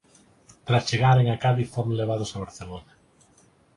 Tras chegaren a Cádiz foron levados a Barcelona.